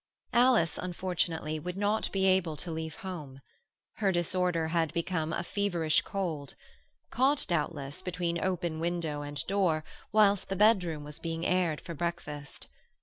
Alice, unfortunately, would not be able to leave home. Her disorder had become a feverish cold—caught, doubtless, between open window and door whilst the bedroom was being aired for breakfast.